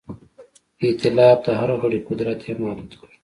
د ایتلاف د هر غړي قدرت یې هم محدود کړ.